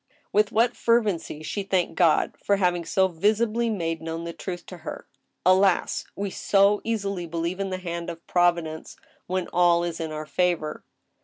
With what fervency she thanked God for having so visibly made known the truth to her I Alas ! we so easily believe in the hand of Providence when all is in our favor.